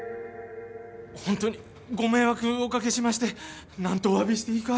ほんとにごめいわくおかけしましてなんとおわびしていいか。